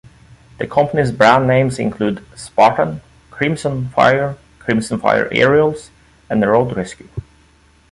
The company's brand names include "Spartan", "Crimson Fire", "Crimson Fire Aerials", and "Road Rescue".